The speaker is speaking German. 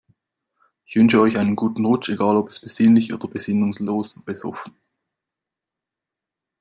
Ich wünsche euch einen guten Rutsch, egal ob besinnlich oder besinnungslos besoffen.